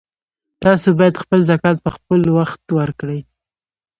تاسو باید خپل زکات په خپلوخت ورکړئ